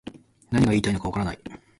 何が言いたいのかわからない